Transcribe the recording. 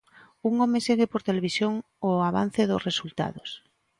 Un home segue por televisión o avance dos resultados.